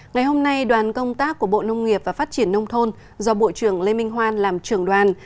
ngày hôm nay đoàn công tác của bộ nông nghiệp và phát triển nông thôn do bộ trưởng lê minh hoan làm trưởng đoàn